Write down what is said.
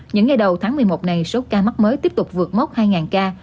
những ngày đầu tháng một mươi một này số ca mắc mới tiếp tục vượt mốc hai ca